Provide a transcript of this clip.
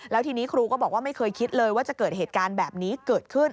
แล้วทีนี้ครูก็บอกว่าไม่เคยคิดเลยว่าจะเกิดเหตุการณ์แบบนี้เกิดขึ้น